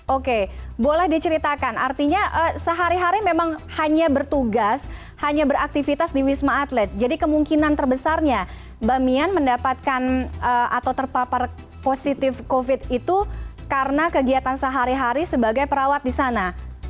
oke boleh diceritakan artinya sehari hari memang hanya bertugas hanya beraktivitas di wisma atlet jadi kemungkinan terbesarnya mbak mian mendapatkan atau terpapar positif covid itu karena kegiatan sehari hari sebagai perawat di sana